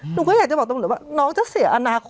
หนูก็อยากจะบอกตรงนี้ว่า